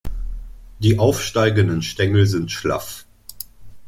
Die aufsteigenden Stängel sind schlaff.